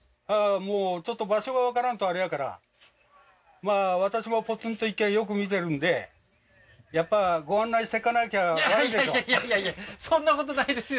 もうちょっと場所が分からんとあれやからまあ私も「ポツンと一軒家」よく観てるんでやっぱご案内してかなきゃ悪いでしょいやいやいやいやそんな事ないですよ